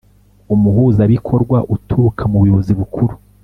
Umuhuzabikorwa uturuka mu buyobozi bukuru